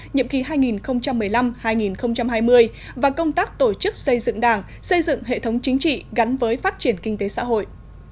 nhiệm kỳ hai nghìn một mươi năm hai nghìn hai mươi và công tác tổ chức xây dựng đảng xây dựng hệ thống chính trị gắn với phát triển kinh tế xã hội